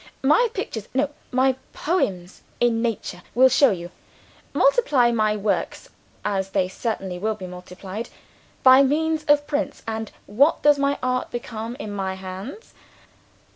My pictures no! my poems in color will show you. Multiply my works, as they certainly will be multiplied, by means of prints and what does Art become in my hands?